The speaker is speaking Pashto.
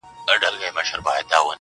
لمبه دي نه کړم سپیلنی دي نه کړم ,